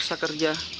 dia paksa kerja